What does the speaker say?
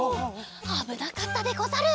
あぶなかったでござる。